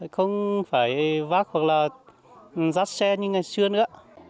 không phải vác hoặc là dắt xe như ngày xưa nữa